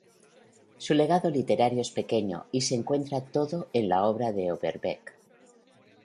Su legado literario es pequeño y se encuentra todo en la obra de Overbeck.